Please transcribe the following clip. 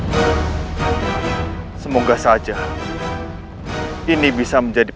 saya mengajar kau berdatu untuk meridik